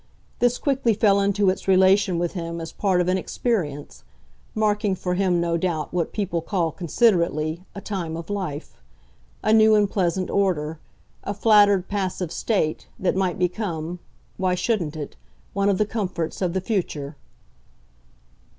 This quickly fell into its relation with him as part of an experience marking for him, no doubt, what people call, considerately, a time of life; a new and pleasant order, a flattered passive state, that might become why shouldn't it? one of the comforts of the future.